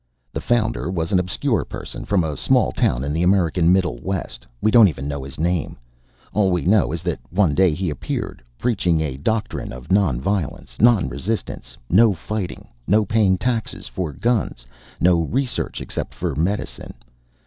"The Founder was an obscure person from a small town in the American Middle West. We don't even know his name. All we know is that one day he appeared, preaching a doctrine of non violence, non resistance; no fighting, no paying taxes for guns, no research except for medicine.